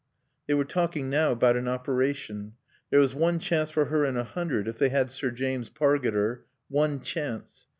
They were talking now about an operation. There was one chance for her in a hundred if they had Sir James Pargeter: one chance.